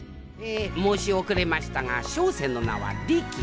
え申し遅れましたが小生の名はリキ。